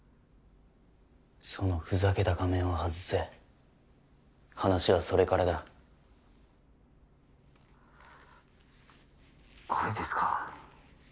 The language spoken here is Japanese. そのふざけた仮面を外せ話はそれからだこれですか？